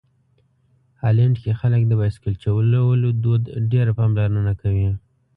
هالنډ کې خلک د بایسکل چلولو دود ډېره پاملرنه کوي.